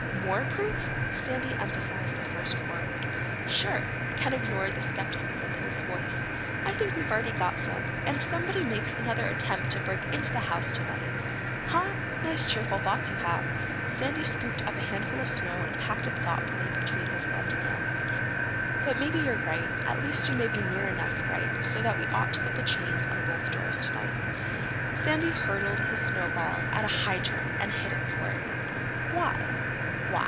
"More proof?" Sandy emphasized the first word. "Sure." Ken ignored the skepticism in his voice. "I think we've already got some. And if somebody makes another attempt to break into the house tonight—" "Huh? Nice cheerful thoughts you have." Sandy scooped up a handful of snow and packed it thoughtfully between his gloved hands. "But maybe you're right. At least you may be near enough right so that we ought to put the chains on both doors tonight." Sandy hurled his snowball at a hydrant and hit it squarely. "Why?" "Why?"